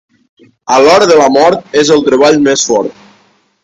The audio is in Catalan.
A l'hora de la mort és el treball més fort.